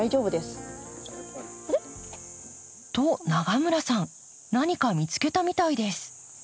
と永村さん何か見つけたみたいです。